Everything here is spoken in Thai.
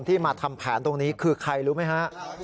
มาทำแผนตรงนี้คือใครรู้ไหมฮะ